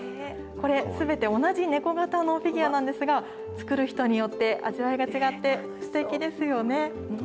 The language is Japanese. これ、すべて同じ猫型のフィギュアなんですが、作る人によって、味わいが違ってすてきですよね。